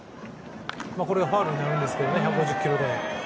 これがファウルになるんですけど１５０キロで。